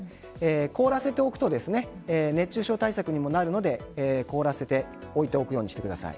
凍らせておくと熱中症対策にもなるので凍らせて置いておくようにしてください。